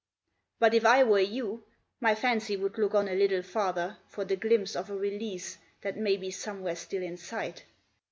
But if I were you, my fancy would look on a little farther For the glimpse of a release that may be somewhere still in sight.